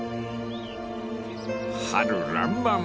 ［春らんまん］